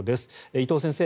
伊藤先生